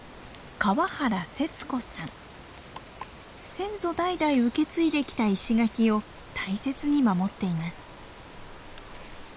先祖代々受け継いできた石垣を大切に守っています。